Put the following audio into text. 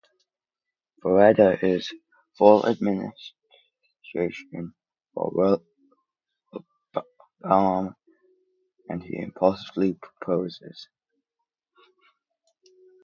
Freda is full of admiration for Wilbraham and he impulsively proposes.